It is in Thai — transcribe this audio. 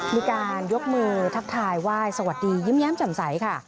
มีการยกมือทักทายไหว้สวัสดียิ้มแย้มจำใสค่ะ